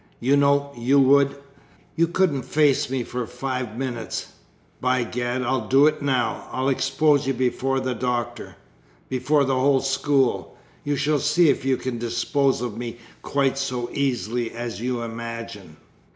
You know you would.... You couldn't face me for five minutes. By Gad! I'll do it now. I'll expose you before the Doctor before the whole school. You shall see if you can dispose of me quite so easily as you imagine!"